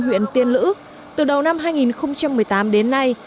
huyện tiên lữ từ đầu năm hai nghìn một mươi tám đến nay